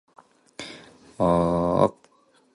The couple head to Malaysia for their honeymoon.